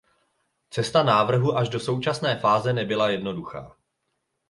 Cesta návrhu až do současné fáze nebyla jednoduchá.